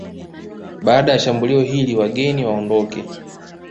Baada ya shambulio hili wageni waondoke